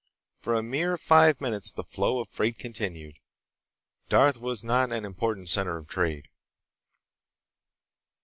For a mere five minutes the flow of freight continued. Darth was not an important center of trade.